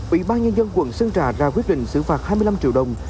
ủy ban nhân dân quận sơn trà ra quyết định xử phạt hai mươi năm triệu đồng